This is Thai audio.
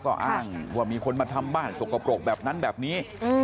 ก็อ้างว่ามีคนมาทำบ้านสกปรกแบบนั้นแบบนี้